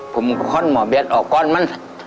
ผมค้นหมอแบทออกกร้อนมัน